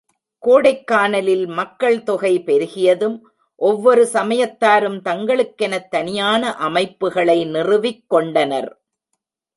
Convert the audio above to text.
கோடைக்கானலில் மக்கள் தொகை பெருகியதும், ஒவ்வொரு சமயத்தாரும் தங்களுக்கெனத் தனியான அமைப்புகளை நிறுவிக்கொண்டனர்.